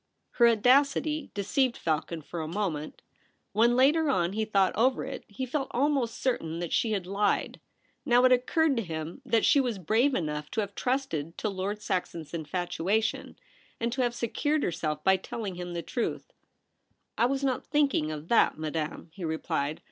Her audacity deceived Falcon for a moment. When, later on, he thought over It, he felt almost certain that she had lied. Now It occurred to him that she was brave enough to have trusted to Lord Saxon's Infatuation, and to have secured herself by telling him the truth. * I was not thinking of that, madame,' he replied.